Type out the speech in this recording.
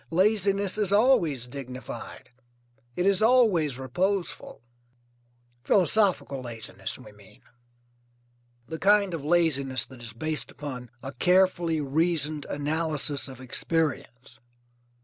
Laziness is always dignified, it is always reposeful. Philosophical laziness, we mean. The kind of laziness that is based upon a carefully reasoned analysis of experience.